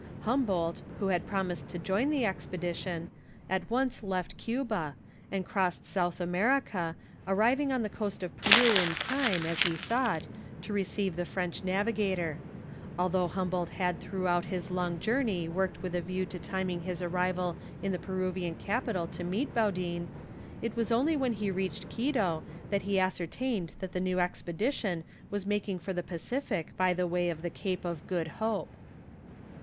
Humboldt, who had promised to join the expedition, at once left Cuba, and crossed South America, arriving on the coast of Peru in time, as he thought, to receive the French navigator. Although Humboldt had throughout his long journey worked with a view to timing his arrival in the Peruvian capital to meet Baudin, it was only when he reached Quito that he ascertained that the new expedition was making for the Pacific by way of the Cape of Good Hope.